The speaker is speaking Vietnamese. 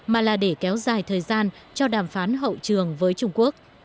mà là để kéo dài thời gian cho đàm phán hậu trường với trung quốc